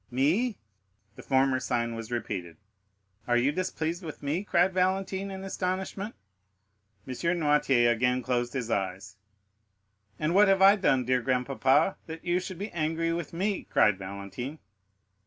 "Me?" The former sign was repeated. "Are you displeased with me?" cried Valentine in astonishment. M. Noirtier again closed his eyes. "And what have I done, dear grandpapa, that you should be angry with me?" cried Valentine.